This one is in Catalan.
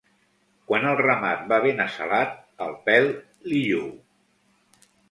Quan el ramat va ben assalat, el pèl li lluu.